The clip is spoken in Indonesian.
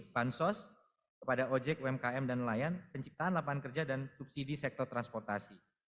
bansos kepada ojek umkm dan nelayan penciptaan lapangan kerja dan subsidi sektor transportasi